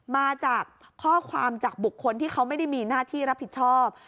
มาจากข้อความจากบุคคลที่เขาไม่ได้มีหน้าที่รับผิดชอบ